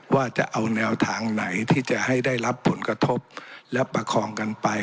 ว่าจะเอาแนวทางไหนที่จะให้ได้รับผลกระทบและประคองกันไป